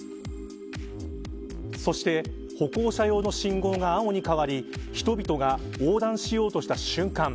そして歩行者用の信号が青に変わり人々が横断しようとした瞬間